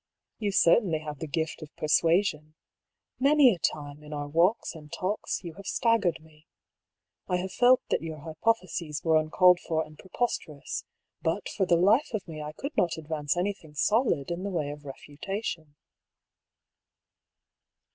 "You certainly have the gift of persuasion. Many a time, in our walks and talks, you have staggered me. I have felt that your hypotheses were uncalled for and preposterous. But for the life of me I could not advance anything solid in the way of refutation."